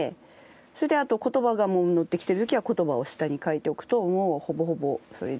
それであと言葉がのってきてる時は言葉を下に書いておくともうほぼほぼそれで。